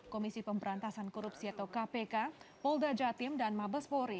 komisi pemberantasan korupsi atau kpk polda jatim dan mabespori